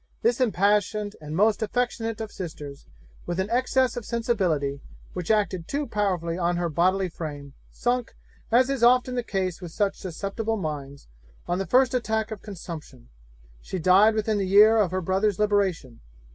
This impassioned and most affectionate of sisters, with an excess of sensibility, which acted too powerfully on her bodily frame, sunk, as is often the case with such susceptible minds, on the first attack of consumption. She died within the year of her brother's liberation.